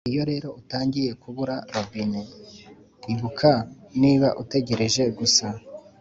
iyo rero utangiye kubura robin, ibuka niba utegereje gusa,